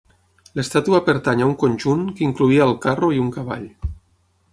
L'estàtua pertany a un conjunt que incloïa el carro i un cavall.